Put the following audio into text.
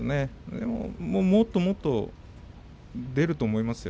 もっともっと出ると思いますよ